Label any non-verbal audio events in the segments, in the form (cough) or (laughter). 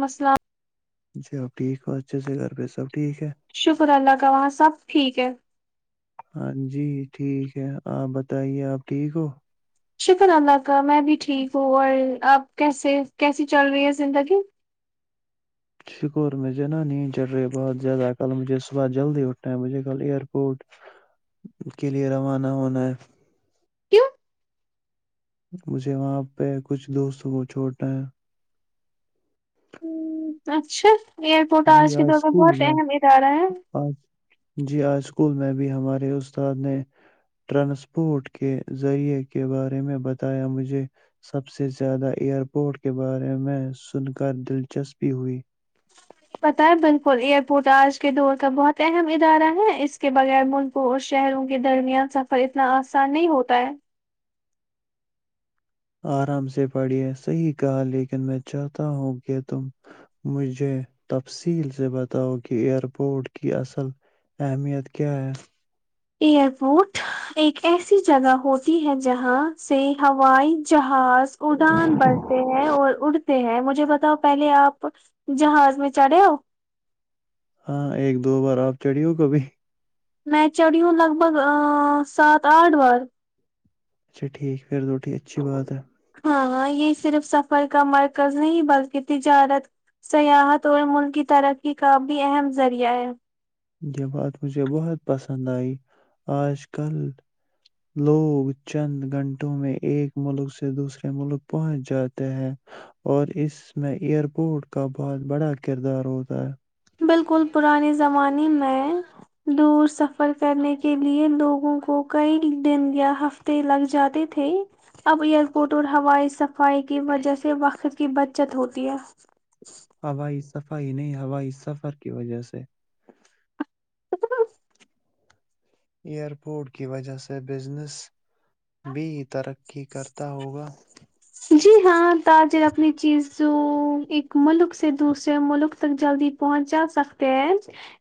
مسئلام جی اپ ٹھیک ہو اچھے سے گھر پہ سب ٹھیک ہے شکر اللہ کا وہاں سب ٹھیک ہے ہاں جی ٹھیک ہے آپ بتائیے آپ ٹھیک ہو شکر اللہ کا میں بھی ٹھیک ہوں اور آپ کیسے کیسی چل رہی ہے زندگی شکور میں جنا نہیں چڑ رہی بہت زیادہ کل مجھے صبح جلدی اٹھنا ہے مجھے کل ایئر پورٹ کے لیئے روانہ ہونا ہے کیا مجھے وہاں پہ کچھ دوستوں کو چھوڑنا ہے ہ پچ شا ایئر پورٹ آج کے دور میں بہت اہم ادارہ ہے آج جی ہ اسکول میں بھی ہمارے استاد نے ٹرانسپورٹ کے ذریعے کے بارے میں بتایا مجھے سب سے زیادہ ایئرپورٹ کے بارے میں سن کر دلچسپی ہوئی پت ہے بالکل ایئرپورٹ آج کے دور کا بہت اہم ادارہ ہے اس کے بغیر ملکوں اور شہروں کے درمیان سفر اتنا آسان نہیں ہوتا ہے آرام سے پڑھیے صحیح کہا لیکن میں چاہتا ہوں کہ تم مجھے تفصیل سے بتاؤ کہ ائرپورٹ کی اصل اہمیت کیا ہے ایئرپورٹ ایک ایسی جگہ ہوتی ہے جہاں سے ہوائی جہاز خاص اڑان بڑھتے ہیں اور اڑتے ہیں مجھے بتاؤ پہلے آپ جہاز میں چڑھے ہو ہاں ایک دو بار آپ چڑی ہو کبھی میچ چٹ لگ بھگ سات آٹھ بار اچھا ٹھیک پھر توٹھی اچھی بات ہے ہاں یہ صرف سفر کا مرکز نہیں بلکہ تجارت سیاحت اور ملک کی ترقی کا بھی اہم ذریعہ ہے یہ بات مجھے بہت پسند آئی آج کل لوگ چند گھنٹوں میں ایک ملک سے دوسرے ملک پہنچ جاتے ہیں اور اس میں ایئرپورٹ کا بہت بڑا کردار ہوتا ہے بالکل پرانے زمانے میں دور سفر کرنے کے لیے لوگوں کو کئی دن یا ہفتے لگ جاتے تھے اب ایئرپورٹ اور ہوائی صفائی کی وجہ سے وقت کی بچت ہوتی ہے ہوائی صفائی نہیں ہوائی سفر کی وجہ سے ایئرپورٹ کی وجہ سے بزنس بھی ترقی کرتا ہوگا جی ہاں تاجر اپنی چیز ایک ملک سے دوسرے ملک تک جلدی پہنچا سکتے ہیں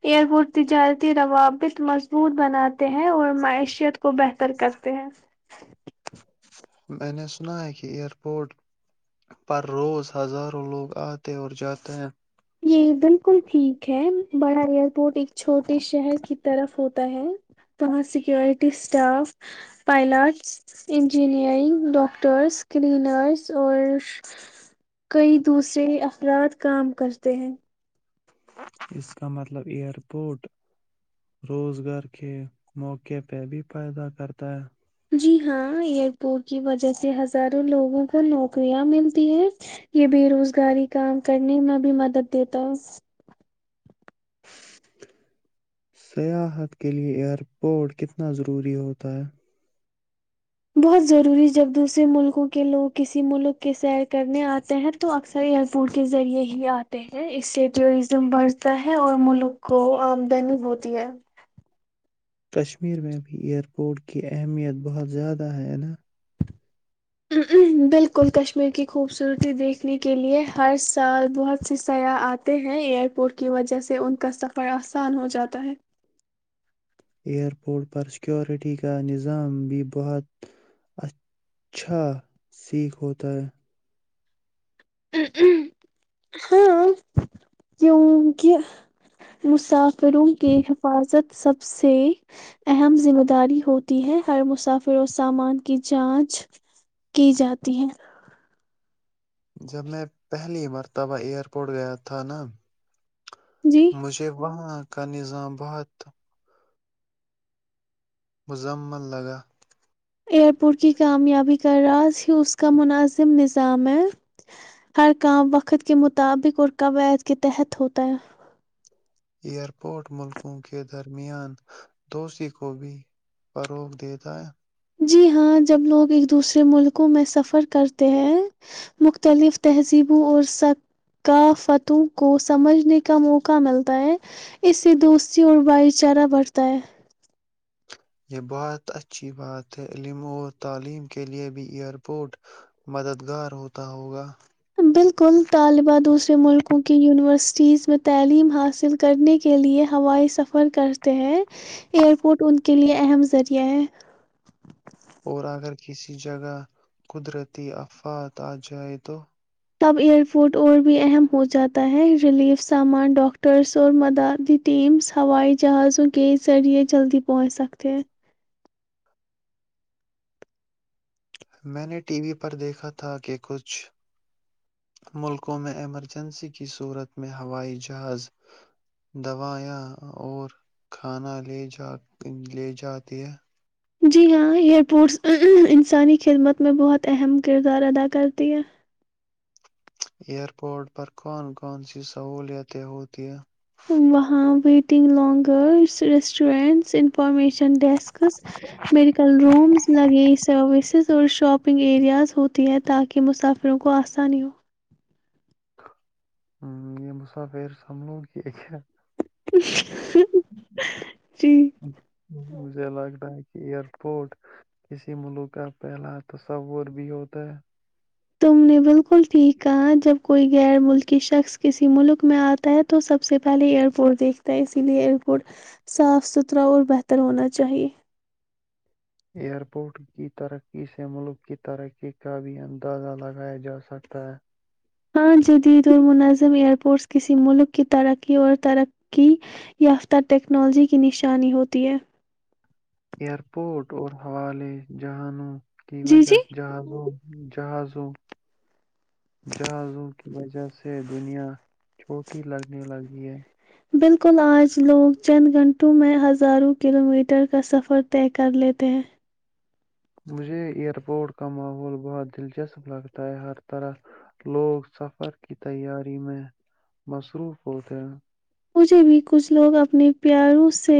ایئر پورٹ تجارتی روابط مضبوط بناتے ہیں اور معیشت کو بہتر کرتے ہیں میں نے سنا ہے کہ ایئر پورٹ پر روز ہزاروں لوگ آتے اور جاتے ہیں یہ بالکل ٹھیک ہے بڑا ایئر پورٹ ایک چھوٹے شہر کی طرف ہوتا ہے وہاں security staff pilots engineering doctors cleaners اور کئی دوسرے افراد کام کر تین اس کا مطلب ایئرپورٹ روزگار کے موقعے پہ بھی پیدا کرتا ہے جی ہاں ایئرپورٹ کی وجہ سے ہزاروں لوگوں کو نوکریاں ملتی ہے یہ بے روزگاری کام کرنے میں بھی مدد دیتا ہوں سیاحت کے لیئے ائرپورٹ کتنا ضروری ہوتا ہے (unintelligible) بہت ضروری جب دوسرے ملکوں کے لوگ کسی ملک کے سیر کرنے آتے ہیں تو اکثر ایئرپورٹ کے ذریعے ہی آتے ہیں اس سے ٹورزم بڑھتا ہے اور ملک کو آمدنی ہوتی ہے (unintelligible) کشمیر میں بھی ائیرپورٹ کی اہمیت بہت زیادہ ہے نا (unintelligible) بالکل کشمیر کی خوبصورتی دیکھنے کے لیے ہر سال بہت سے سرا اتے ہیں ایئرپورٹ کی وجہ سے ان کا سفر اسان ہو جاتا ہے (unintelligible) ایئر پورٹ پر سیکورٹی کا نظام بھی بہت اچھا سیکھ ہوتا ہے (unintelligible) ہاں کیونکہ مسافر (unintelligible) فروم کی حفاظت (unintelligible) سب سے اہم ذمہ داری ہوتی ہے ہر مسافر اور سامان کی جانچ کی جاتی ہے (unintelligible) جب میں پہلی مرتبہ ایئرپورٹ گیا تھا نا جی (unintelligible) مجھے وہاں (unintelligible) کا نظام بہت مزمن لگا (unintelligible) پیر پرچی کامیابی کا راز ہی اس کا مناظم نظام ہے ہر کام وقت کے مطابق اور قواعد کے تحت ہوتا ہے (unintelligible) ایئرپورٹ ملکوں کے درمیان دوشی کو بھی فروغ دیتا ہے (unintelligible) جی ہاں جب لوگ ایک دوسرے ملکوں میں سفر کرتے ہیں مختلف تہذیبوں اور ثقافتوں کو سمجھنے کا موقع ملتا ہے اس سے دوستی اور بھائی چارہ بڑھتا ہے (unintelligible) یہ بہت اچھی بات ہے علم اور تعلیم کے لیے بھی ایئرپورٹ مددگار ہوتا ہوگا (unintelligible) میں دوسرے ملکوں کی یونیورسٹیز و تعلیم حاصل کرنے کے لیے ہوائی سفر کرتے ہیں ایئرپورٹ ان کے لیے اہم ذریعہ ہے (unintelligible) اور اگر کسی جگہ قدرتی آفات آ جائے تو (unintelligible) تب ایئرپورٹ اور بھی اہم ہو جاتا ہے ریلیف سامان ڈاکٹرس اور مدد ٹیمس ہوائی جہازوں کے ذریعے جلدی پہنچ سکتے ہیں (unintelligible) میں نے ٹی وی پر دیکھا تھا کہ کچھ ملکوں میں ایمرجنسی کی صورت میں ہوائی جہاز دوائیاں اور کھانا لے جاتے ہیں (unintelligible) جی ہاں ایئرپورٹس انسانی خدمت میں بہت اہم کردار ادا کرتی ہے (unintelligible) ایئرپورٹ پر کون کون سی سہولتیں ہوتی ہیں (unintelligible) وہاں ویٹنگ لانگرگرس ریسٹورینٹس ان (unintelligible) information desks medical rooms luggage services (unintelligible) shopping areas ہوتی ہیں تاکہ مسافروں کو آسانی ہو (unintelligible) ہ یہ مسا پیر سمبھ لوں کہ ایک جی (unintelligible) مجھے لگتا ہے کہ ایئرپورٹ (unintelligible) کسی ملوک کا پہلا تو سبور بھی ہوتا ہے (unintelligible) تم نے بالکل ٹھیک کہا جب کوئی غیر ملکی شخص کسی ملک میں آتا ہے تو سب سے پہلے ایئرپورٹ دیکھتا ہے اسی لیے ایئر پورٹ صاف ستھرا اور بہتر ہونا چاہیے (unintelligible) ایئرپورٹ کی ترقی سے ملک کی ترقی کا بھی اندازہ لگایا جا سکتا ہے (unintelligible) ہاں جدید اور منظم ایئرپورٹس کسی ملک کی ترقی اور ترقی یافتہ ٹیکنالوجی کی نشانی ہوتی ہے (unintelligible) ایئرپورٹ اور حوالے جہانوں (unintelligible) کی ب جی جی جس جہاز (unintelligible) جہازوں (unintelligible) جہاز کی وجہ سے (unintelligible) سے دنیا چھوٹی لگنے لگی ہے (unintelligible) بالکل آج لوگ چند گھنٹوں میں ہزاروں کلو میٹر کا سفر طے کر لیتے ہیں (unintelligible) مجھے ایئرپورٹ کا ماحول بہت دلچسپ لگتا ہے ہر طرح لوگ سفر کی تیاری میں مصروف ہوتے ہیں (unintelligible) مجھے بھی کچھ لوگ اپنے (unintelligible) پیاروں سے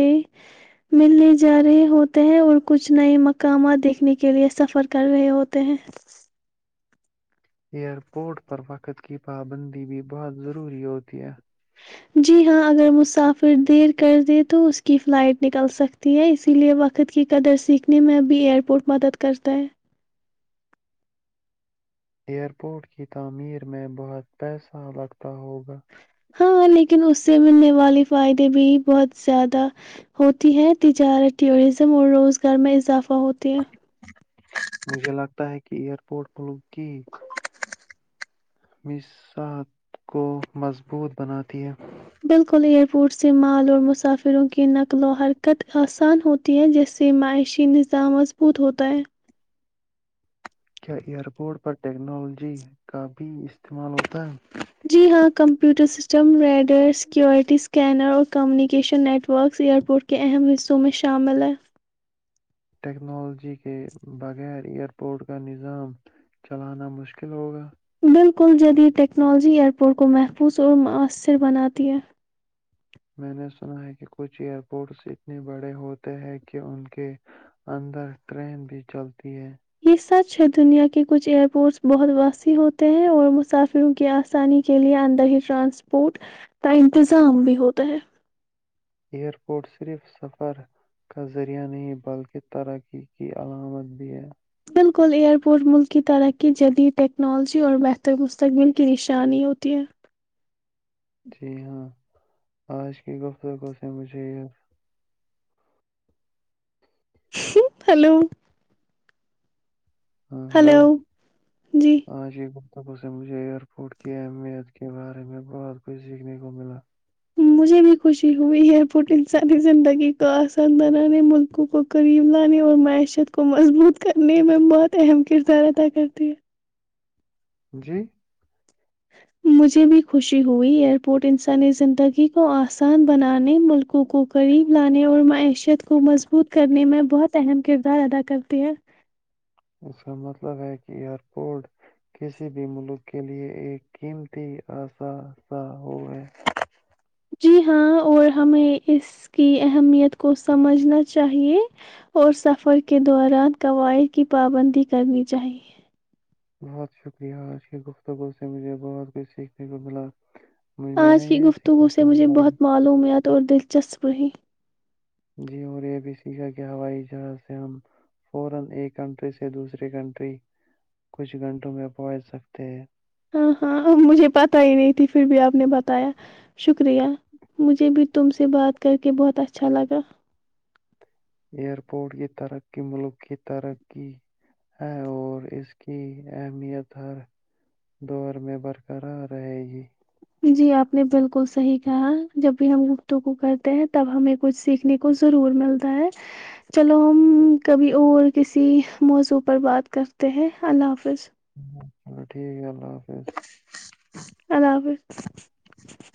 ملنے جا رہے ہوتے ہیں اور کچھ نئے مقامات دیکھنے کے لیئے سفر کر رہے ہوتے ہیں (unintelligible) ایئرپورٹ پر وقت کی پابندی بھی بہت ضروری ہوتی ہے (unintelligible) (inaudible) (unintelligible) ایئرپورٹ کی تعمیر میں بہت پیسہ لگتا ہے (unintelligible) ہوگا (unintelligible) ہاں لیکن اس سے ملنے والی فائدے بھی بہت زیادہ ہوتی ہے تجارت ٹیوریزم اور روزگار میں اضافہفک بہت (unintelligible) مجھے لگتا ہے کہ ایئر پورٹ کھل (unintelligible) کہ (unintelligible) مص کو مضبوط بناتی ہے (unintelligible) بالکل ایئرپورٹ سے مال اور مسافروں کی نقل و حرکت آسان ہوتی ہے جس سے معاشی نظام مضبوط ہ (unintelligible) کیا ائیرپورٹ پر ٹیکنالوجی کا بھی استعمال ہوتا ہے (unintelligible) جی ہاں computer system readers security scanner اور کمیونیکیشن نیٹ ورکس ایئرپورٹ کے اہم حصوں میں شامل ہیں (unintelligible) ٹیکنالوجی کے بغیر ایئرپورٹ کا نظام چلانا مشکل ہوگا (unintelligible) بالکل جدید ٹیکنالوجی ایئرپورٹ کو محفوظ اور مؤثر بناتی ہے (unintelligible) میں نے سنا ہے کہ کچھ ایئرپورٹس اتنے بڑے ہوتے ہیں کہ ان کے اندر ٹرین بھی چلتی ہے (unintelligible) یہ سچ ہے دنیا کے کچھ ایئرپورٹس بہت واسیع ہوتے ہیں اور مسافروں کی آسانی کےلئے اندہ ہی ٹرانسپورٹ کا انتظام بھی ہوتا ہے (unintelligible) ایئرپورٹ صرف سفر کا ذریعہ نہیں بلکہ ترقی کی علامت بھی ہے (unintelligible) بالکل ایئرپورٹ ملک کی ترقی جدید ٹیکنالوجی اور بہتر مستقبل کی نشانی ہوتی ہےفففف لف (unintelligible) (inaudible) (unintelligible) ہلو (unintelligible) ہاں ہیلو ہلو ہاں جی (unintelligible) سے مجھے ایئرپورٹ کیا ہے میں اس کے بارے میں بہت کچھ سیکھنے کو ملا (unintelligible) مجھے بھی خوشی ہوئی ہے پٹ انسانی زندگی کو آسان بنانے ملکوں کو قریم لانے اور معیشت کو مضبوط کرنے میں بہت اہم کردار ادا کرتی ہےفک (unintelligible) جی (unintelligible) مجھے بھی خوشی ہوئی ایئرپورٹ انسر نے زندگی کو اسان بنانے ملکوں کو قریب لانے اور معیشت کو مضبوط کرنے میں بہت اہم کردار ادا کرتے ہیں (unintelligible) مطلب ہے کہ یار کوڈ کسی بھی ملک کے لیے ایک قیمتی اسا نہ ہو ہے (unintelligible) جی ہاں اور ہمیں اس کی اہمیت کو سمجھنا چاہیے اور سفر کے دوران قواائد کی پابندی کرنی چاہیے (unintelligible) بہت شکریہ عرشی گفتگو سے مجھے بہت کچھ سیکھنے کو ملا مجھ- میں نے آج کی یہ گفتگو سیکھا کہ سے مجھے ہوائی بہت معلومت اور دلچسپ رہی (unintelligible) جی ہو رہے ہیں ابھی اس کی کا کیا بھائی جان سے ہم فورا ایک کنٹری سے دوسرے کنٹری کچھ گھنٹوں میں پہنچ سکتے ہیں (unintelligible) ہاں ہاں اب مجھے پتا ہی نہیں تھی پھر بھی آپ نے بتایا شکر (unintelligible) شکریہ مجھے بھی (unintelligible) تم سے بات کر کے بہت اچھا لگا (unintelligible) ایئرپورٹ کی ترقی ملک کی ترقی ہے اور اس کی اہمیت ہر دور میں برقرار رہے گی (unintelligible) جی آپ نے بالکل صحیح کہا جب بھی ہم گفتو کوو کرتے ہیں تب ہمیں کچھ سیکھنے کو ضرور ملتا ہے چلو ہم کبھی اور کسی موضوع پر بات کرتے ہیں اللہ حافظ (unintelligible) ٹھیک ہے اللہ حافظ (unintelligible) اللہ حافظ (unintelligible)